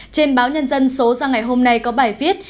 trên báo nhân dân số ra ngày hôm nay có bài viết